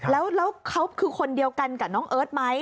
แล้วเขาคือคนเดียวกันกับน้องเอิร์ทไหม